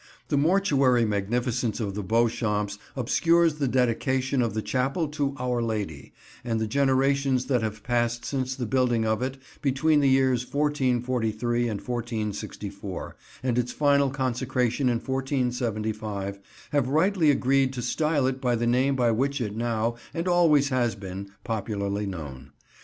The mortuary magnificence of the Beauchamps obscures the dedication of the Chapel to Our Lady, and the generations that have passed since the building of it between the years 1443 and 1464, and its final consecration in 1475, have rightly agreed to style it by the name by which it now, and always has been, popularly known.